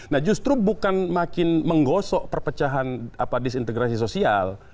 nah justru bukan makin menggosok perpecahan disintegrasi sosial